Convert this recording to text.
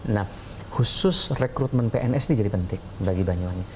nah khusus rekrutmen pns ini jadi penting bagi banyuwangi